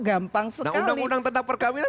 gampang sekali undang undang tentang perkawinan